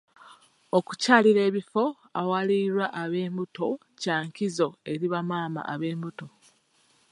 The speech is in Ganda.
Okukyalira ebifo awalairirwa ab'embuto kya nkizo eri bamaama ab'embuto.